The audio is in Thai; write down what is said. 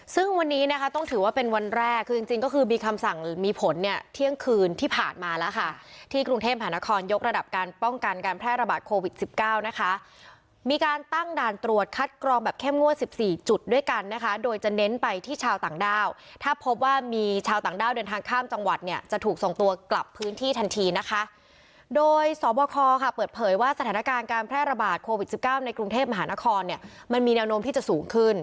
ซึ่งวันนี้นะคะต้องถือว่าเป็นวันแรกคือจริงจริงก็คือมีคำสั่งหรือมีผลเนี้ยเที่ยงคืนที่ผ่านมาแล้วค่ะที่กรุงเทพมหานครยกระดับการป้องกันการแพร่ระบาดโควิดสิบเก้านะคะมีการตั้งด่านตรวจคัดกรองแบบเข้มงวดสิบสี่จุดด้วยกันนะคะโดยจะเน้นไปที่ชาวต่างด้าวถ้าพบว่ามีชาวต่างด้าวเดินทาง